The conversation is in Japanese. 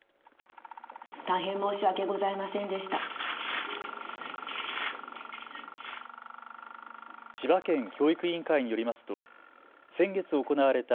大変、申し訳ございませんでした。